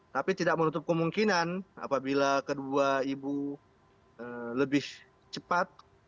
tapi tidak menutup kemungkinan apabila kedua ibu lebih cepat